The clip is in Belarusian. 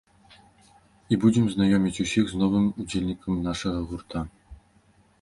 І будзем знаёміць усіх з новым удзельнікам нашага гурта.